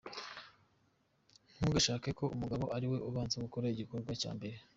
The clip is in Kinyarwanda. Ntugashake ko Umugabo ariwe ubanza gukora igikorwa cya mbere:.